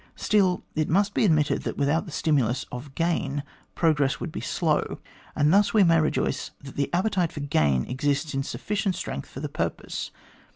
Still, it must be admitted that without the stimulus of gain, progress would be slow, and thus we may rejoice that the appetite for gain exists in sufficient strength for the purpose.